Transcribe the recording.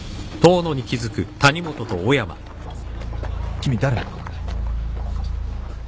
君誰？